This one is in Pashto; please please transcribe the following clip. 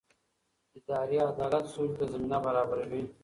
اداري عدالت سولې ته زمینه برابروي